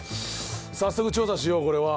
早速調査しようこれは。